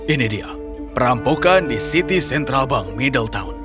ini dia perampokan di city central bank middletown